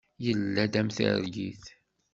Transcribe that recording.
Yella-d am targit.